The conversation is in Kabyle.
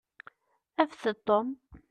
Afet-d Tom.